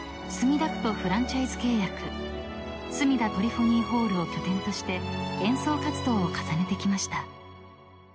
［すみだトリフォニーホールを拠点として演奏活動を重ねてきました］